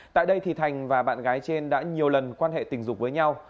tại đây thì thành và bạn gái trên đã nhiều lần quan hệ tình dục với nhau